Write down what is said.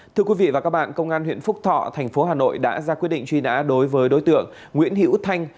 thưa quý vị và các bạn công an huyện phúc thọ thành phố hà nội đã ra quyết định truy nã đối với đối tượng nguyễn hữu thanh